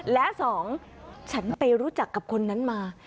และสองฉันไปรู้จักกับคนนั้นมา